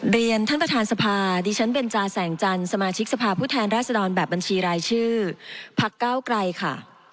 เรียนท่านประธานสภาดิฉันเบนจาแสงจันทร์สมาชิกสภาพผู้แทนราชดรแบบบัญชีรายชื่อพักเก้าไกลค่ะ